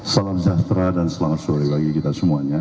salam sejahtera dan selamat sore bagi kita semuanya